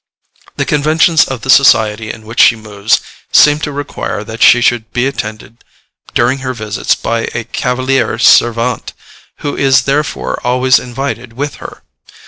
The conventions of the society in which she moves seem to require that she should be attended during her visits by a cavaliere servente, who is therefore always invited with her.